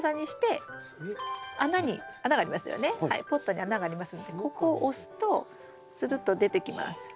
ポットに穴がありますのでここ押すとするっと出てきます。